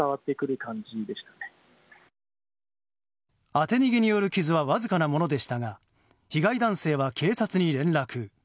当て逃げによる傷はわずかなものでしたが被害男性は警察に連絡。